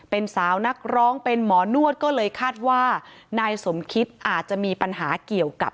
เป็นสาวนักร้องเป็นหมอนวดก็เลยคาดว่านายสมคิตอาจจะมีปัญหาเกี่ยวกับ